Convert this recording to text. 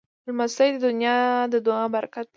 لمسی د نیا د دعا پرکت دی.